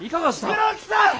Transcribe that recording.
黒木さん！